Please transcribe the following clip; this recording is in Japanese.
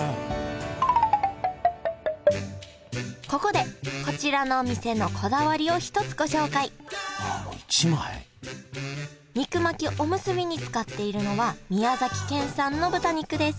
ここでこちらのお店のこだわりを一つご紹介肉巻きおむすびに使っているのは宮崎県産の豚肉です